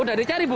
udah dicari bu